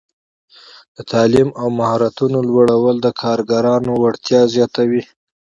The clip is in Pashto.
د تعلیم او مهارتونو لوړول د کارګرانو وړتیا زیاتوي.